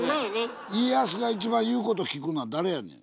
家康が一番言うこと聞くのは誰やねん？